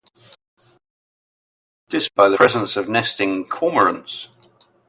Dismantling was delayed by the presence of nesting cormorants.